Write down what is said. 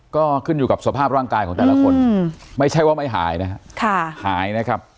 ก็ขึ้นอยู่กับสภาพร่างกายของแต่ละคนไม่ใช่ว่าไม่หายนะฮะหายนะครับ